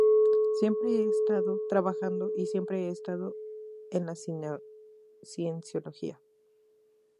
Siempre he estado trabajando y siempre he estado en la Cienciología.